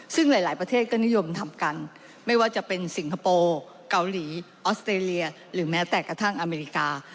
ซึ่งหลายประเทศก็นิยมทำกันไม่ว่าจะเป็นสิงคโปร์เกาหลีออสเตรเลียหรือแม้แต่กระทั่งอเมริกา